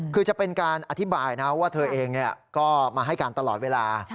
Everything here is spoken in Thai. คือจะเป็นการอธิบายนะว่าเธอเองก็มาให้การตลอดเวลา